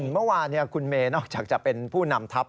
เมื่อวานคุณเมย์นอกจากจะเป็นผู้นำทัพ